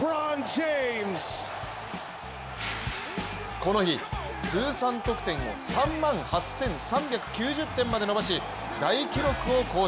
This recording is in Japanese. この日、通算得点を３万８３９０点まで伸ばし大記録を更新。